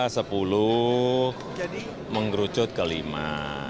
sepuluh mengerusak kelima